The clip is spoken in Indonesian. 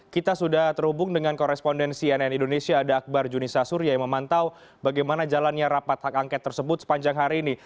kita sudah terhubung dengan korespondensi nn indonesia ada akbar junisa surya yang memantau bagaimana jalannya rapat hak angket tersebut sepanjang hari ini